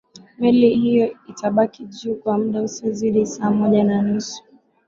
meli hiyo itabaki juu kwa muda usiozidi saa moja na nusu